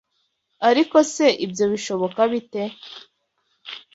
Ariko se ibyo bishoboka bite?